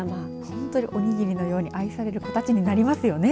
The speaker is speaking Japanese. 本当におにぎりのように愛される子たちになりますよね。